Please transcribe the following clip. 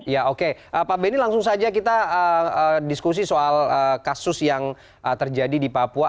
ya oke pak benny langsung saja kita diskusi soal kasus yang terjadi di papua